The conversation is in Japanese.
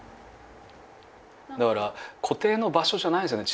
だから固定の場所じゃないですよね